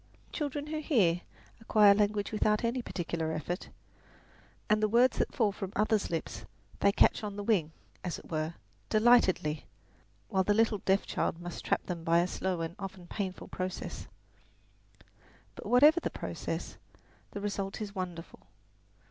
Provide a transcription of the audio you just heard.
Children who hear acquire language without any particular effort; the words that fall from others' lips they catch on the wing, as it were, delightedly, while the little deaf child must trap them by a slow and often painful process. But whatever the process, the result is wonderful.